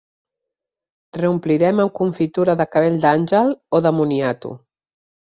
Reomplirem amb confitura de cabell d'àngel o de moniato.